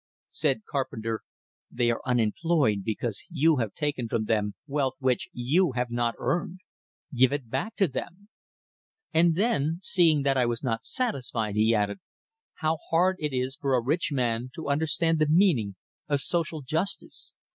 Said Carpenter: "They are unemployed because you have taken from them wealth which you have not earned. Give it back to them." And then, seeing that I was not satisfied, he added: "How hard it is for a rich man to understand the meaning of social justice!